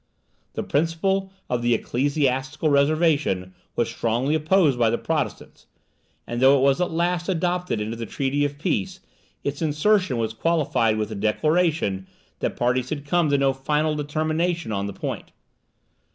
The principle of the Ecclesiastical Reservation was strongly opposed by the Protestants; and though it was at last adopted into the treaty of peace, its insertion was qualified with the declaration, that parties had come to no final determination on the point.